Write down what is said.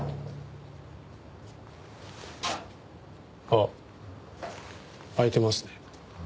あっ開いてますね。